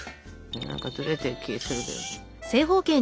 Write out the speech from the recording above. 何かずれてる気がするけど。